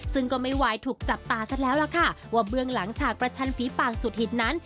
ซึ่งก็ไม่ไหวถูกจับตาซะแล้วล่ะค่ะว่าเบื้องหลังฉากประชันฝีปากสุดหิตนั้น